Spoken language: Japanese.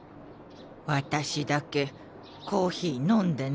私だけコーヒー飲んでないよ。